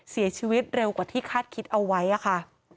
เสียชีวิตเร็วกว่าที่คาดคิดเอาไว้ค่ะ